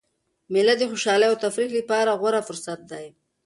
مېله د خوشحالۍ او تفریح له پاره غوره فرصت دئ.